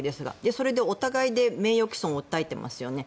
それでお互いで名誉毀損を訴えてますよね。